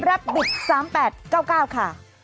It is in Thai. ระบท๓๘๙๙ค่ะ